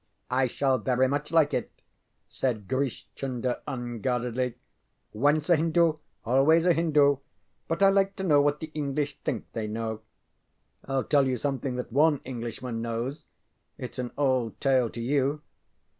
ŌĆØ ŌĆ£I shall very much like it, ŌĆØ said Grish Chunder, unguardedly. ŌĆ£Once a Hindu always a Hindu. But I like to know what the English think they know. ŌĆØ ŌĆ£IŌĆÖll tell you something that one Englishman knows. ItŌĆÖs an old tale to you.